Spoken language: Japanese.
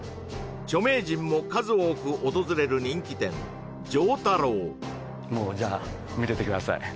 著名人も数多く訪れる人気店常太郎見ててください